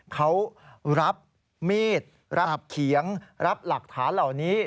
เขารับมีดรับเขียงรับหลักฐานเหล่านี้